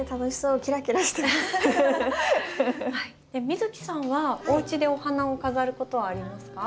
美月さんはおうちでお花を飾ることはありますか？